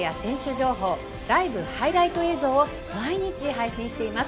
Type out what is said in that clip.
情報ライブ・ハイライト映像を毎日配信しています。